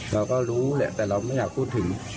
เราก็รู้แหละแต่เราไม่อยากพูดถึง